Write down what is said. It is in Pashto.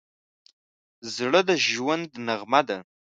زړه د ژوند نغمه ده.